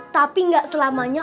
tapi gak selamanya